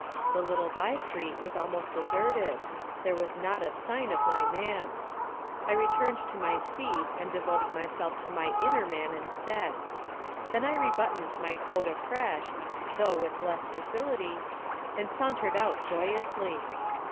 The little by street was almost deserted, there was not a sign of my man. I returned to my seat and devoted myself to my inner man instead. Then I rebuttoned my coat afresh though with less facility and sauntered out joyously.